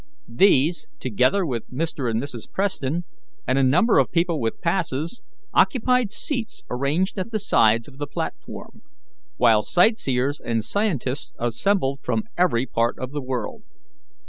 These, together with Mr. and Mrs. Preston, and a number of people with passes, occupied seats arranged at the sides of the platform; while sightseers and scientists assembled from every part of the world.